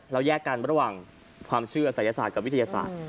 แยกกันระหว่างความเชื่อศัยศาสตร์กับวิทยาศาสตร์